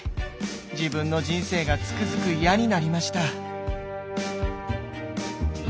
自分の人生がつくづく嫌になりました。